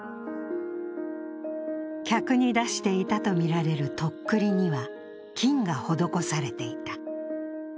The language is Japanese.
客に出していたとみられるとっくりには金が施されていた。